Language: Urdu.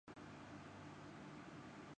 نہ کوئی تحریک چلی۔